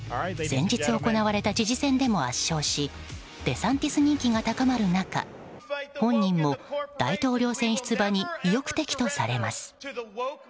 先日行われた知事選でも圧勝しデサンティス人気が高まる中本人も、大統領選出馬に意欲的とされます。